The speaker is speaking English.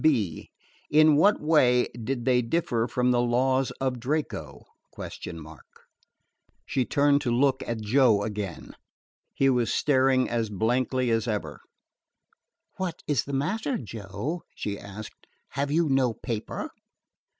(b) In what way did they differ from the laws of Draco?_" She turned to look at Joe again. He was staring as blankly as ever. "What is the matter, Joe?" she asked. "Have you no paper?"